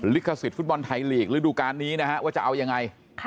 ลิขสิทธิฟุตบอลไทยลีกระดูกาลนี้นะฮะว่าจะเอายังไง